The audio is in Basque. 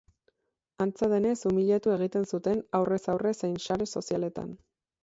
Antza denez, umiliatu egiten zuten, aurrez aurre zein sare sozialetan.